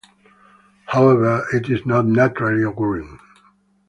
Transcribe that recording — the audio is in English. However, it is not naturally occurring.